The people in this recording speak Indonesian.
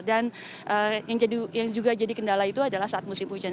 dan yang juga jadi kendala itu adalah saat musim hujan